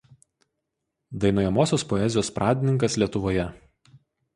Dainuojamosios poezijos pradininkas Lietuvoje.